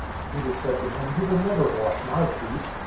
013:008 Peter said to him, "You will never wash my feet!"